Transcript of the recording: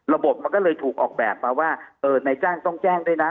ระบบมันก็เลยถูกออกแบบมาว่านายจ้างต้องแจ้งด้วยนะ